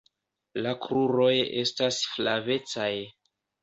La kruroj estas flavecaj.